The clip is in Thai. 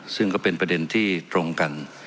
ซึ่งก็เป็นประเด็นที่ตรงกัน